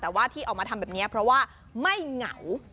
แต่ว่าที่ออกมาทำแบบนี้เพราะว่าไม่เหงา